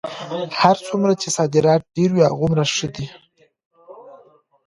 هر څومره چې صادرات ډېر وي هغومره ښه ده.